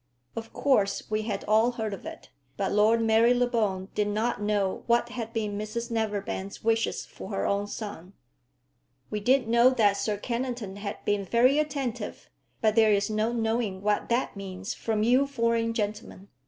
Of course we had all heard of it; but Lord Marylebone did not know what had been Mrs Neverbend's wishes for her own son. "We did know that Sir Kennington had been very attentive, but there is no knowing what that means from you foreign gentlemen.